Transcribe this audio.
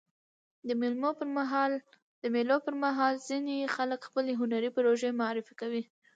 د مېلو پر مهال ځيني خلک خپلي هنري پروژې معرفي کوي.